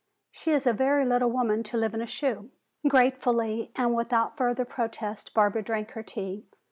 She is a very little woman to live in a shoe." Gratefully and without further protest Barbara drank her tea.